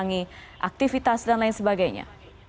mengurangi aktivitas dan lain sebagainya